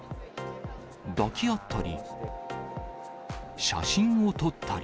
抱き合ったり、写真を撮ったり。